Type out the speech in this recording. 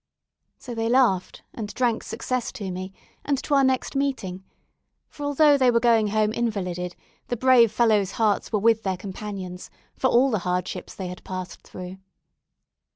So they laughed, and drank success to me, and to our next meeting; for, although they were going home invalided, the brave fellows' hearts were with their companions, for all the hardships they had passed through.